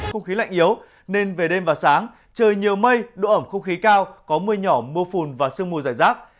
khúc khí lạnh yếu nên về đêm và sáng trời nhiều mây độ ẩm khúc khí cao có mưa nhỏ mưa phùn và sương mưa dài rác